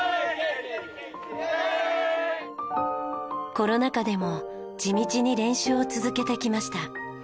コロナ禍でも地道に練習を続けてきました。